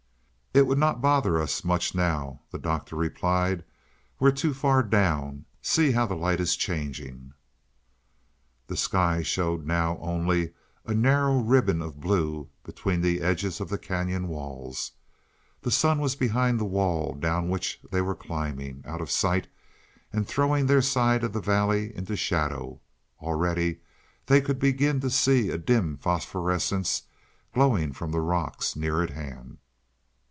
"It would not bother us much now," the Doctor replied. "We're too far down. See how the light is changing." The sky showed now only as a narrow ribbon of blue between the edges of the cañon's walls. The sun was behind the wall down which they were climbing, out of sight, and throwing their side of the valley into shadow. And already they could begin to see a dim phosphorescence glowing from the rocks near at hand.